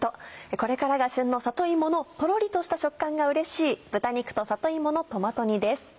これからが旬の里芋のほろりとした食感がうれしい「豚肉と里芋のトマト煮」です。